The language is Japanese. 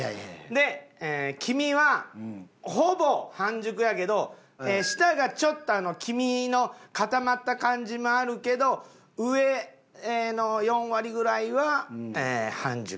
で黄身はほぼ半熟やけど下がちょっと黄身の固まった感じもあるけど上の４割ぐらいは半熟。